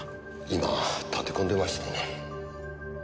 今立て込んでましてね。